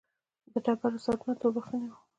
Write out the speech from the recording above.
د ډبرو سرونه توربخوني وو.